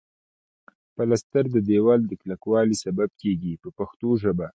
پلستر د دېوال د کلکوالي سبب کیږي په پښتو ژبه.